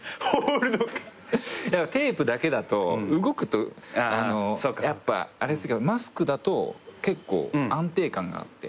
テープだけだと動くとやっぱあれするけどマスクだと結構安定感があって。